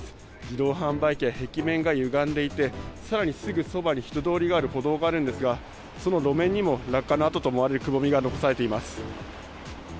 自動販売機や壁面が歪んでいて、更にすぐそばに人通りがある歩道がありますがその路面にも落下の跡とみられるくぼみが残されています。